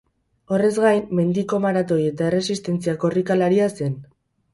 Horrez gain, mendiko maratoi eta erresistentzia korrikalaria zen.